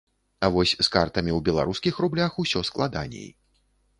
А вось з картамі ў беларускіх рублях усё складаней.